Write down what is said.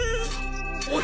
おい！